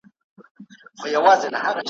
چې زموږ د سیمې